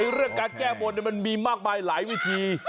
เรื่องการแก้บนมันมีมากมายหลายวิธี